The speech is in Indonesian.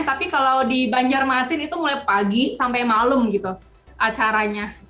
tapi kalau di banjarmasin itu mulai pagi sampai malam gitu acaranya